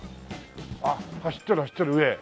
あっ走ってる走ってる上。